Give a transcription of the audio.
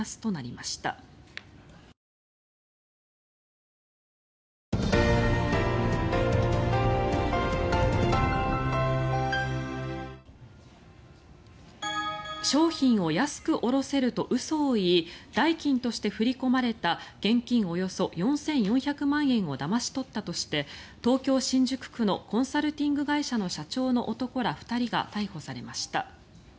一方、消費者物価指数は去年の同じ月と比べて３．９％上昇していて商品を安く卸せると嘘を言い代金として振り込まれた現金およそ４４００万円をだまし取ったとして東京・新宿区のコンサルティング会社の社長の男ら２人が逮捕されました。